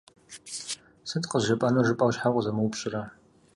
«Сыт къызжепӏэнур?» жыпӏэу, щхьэ укъызэмыупщӏрэ?